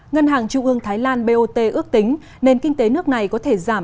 ngân hàng trung ương thái lan bot ước tính nền kinh tế nước này có thể giảm